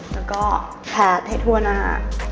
แล้วก็ทาให้ทั่วหน้า